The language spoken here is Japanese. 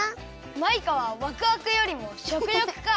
マイカはわくわくよりもしょくよくか！